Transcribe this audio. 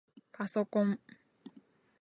ぱそこん